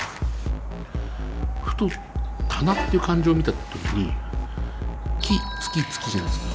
ふと「棚」っていう漢字を見た時に「木」「月」「月」じゃないですか。